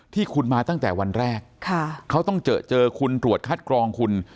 ที่คุณมาตั้งแต่วันแรกเขาต้องเจอเจอคุณตรวจคัดกรองคุณ